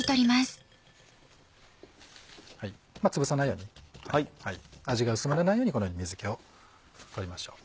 つぶさないように味が薄まらないようにこのように水気を取りましょう。